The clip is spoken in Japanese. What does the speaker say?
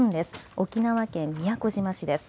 沖縄県宮古島市です。